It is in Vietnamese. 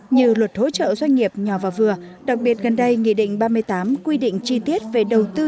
như luật hỗ trợ doanh nghiệp nhỏ và vừa đặc biệt gần đây nghị định ba mươi tám quy định chi tiết về đầu tư